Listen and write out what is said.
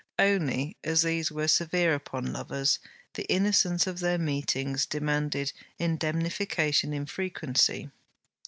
Only, as these were severe upon lovers, the innocence of their meetings demanded indemnification in frequency.